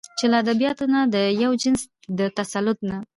چې له ادبياتو نه د يوه جنس د تسلط نه